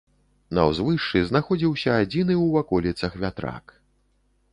На ўзвышшы знаходзіўся адзіны ў ваколіцах вятрак.